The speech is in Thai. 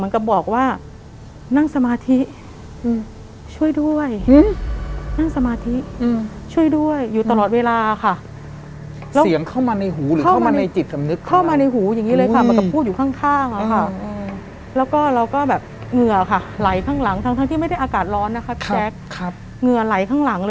ก็เหมือนเขามาช่วยนะ